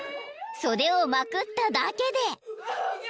［袖をまくっただけで］